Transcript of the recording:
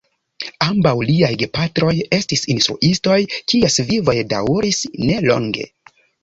Ambaŭ liaj gepatroj estis instruistoj, kies vivoj daŭris ne longe.